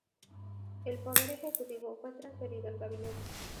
El poder ejecutivo fue transferido al gabinete.